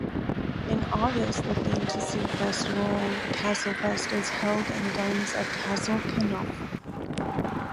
In August the fantasy festival Castlefest is held in the gardens of Castle Keukenhof.